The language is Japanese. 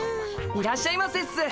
いらっしゃいませっす。